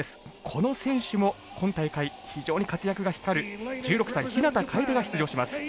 この選手も今大会、非常に活躍が光る１６歳、日向楓が出場します。